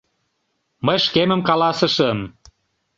Мый шкемым каласышым.